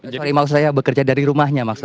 maaf maaf saya bekerja dari rumahnya maksudnya